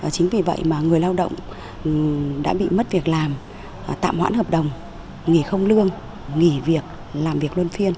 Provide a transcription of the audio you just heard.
chính vì vậy mà người lao động đã bị mất việc làm tạm hoãn hợp đồng nghỉ không lương nghỉ việc làm việc luân phiên